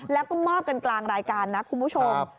แล้วก็มอบกันกลางรายการนะคุณผู้ชม